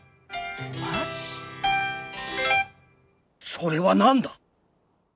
「それは何だ？」